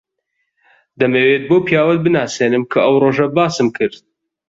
دەمەوێت بەو پیاوەت بناسێنم کە ئەو ڕۆژە باسم کرد.